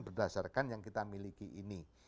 berdasarkan yang kita miliki ini